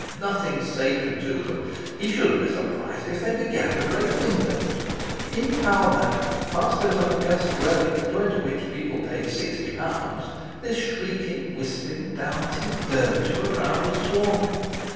Nothing sacred to them! He shouldn't be surprised if they began to break windows. In Pall Mall, past those august dwellings, to enter which people paid sixty pounds, this shrieking, whistling, dancing dervish of a crowd was swarming.